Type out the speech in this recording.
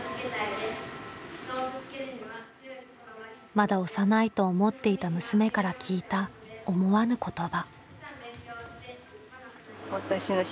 まだ幼いと思っていた娘から聞いた思わぬ言葉。